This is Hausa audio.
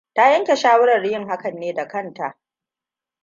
Ta yanke shawarar yin hakan ne da kanta.